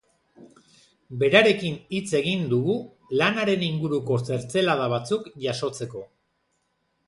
Berarekin hitz egin dugu, lanaren inguruko zertzelada batzuk jasotzeko.